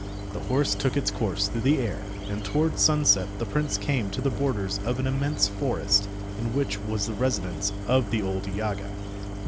The horse took its course through the air, and towards sunset the prince came to the borders of an immense forest in which was the residence of the old Yaga.